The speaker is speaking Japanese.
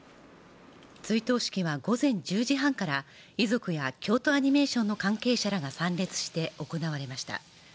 追悼式は午前１０時半から遺族や京都アニメーションの関係者らが参列して行われました。